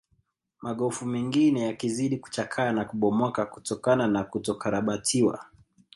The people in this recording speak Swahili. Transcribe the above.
Magofu mengine yakizidi kuchakaa na kubomoka kutokana na kutokarabatiwa